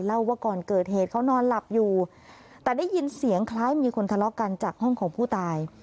เล่าว่าก่อนเกิดเหตุเขานอนหลับอยู่แต่ได้ยินเสียงคล้ายมีคนทะเลาะกันจากห้องของผู้ตาย